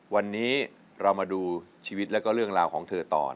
วันนี้เรามาดูชีวิตแล้วก็เรื่องราวของเธอต่อ